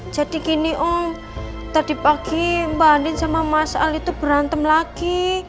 jadi gini om tadi pagi mbak andin sama mas ali tuh berantem lagi